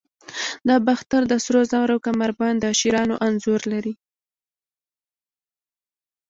د باختر د سرو زرو کمربند د شیرانو انځور لري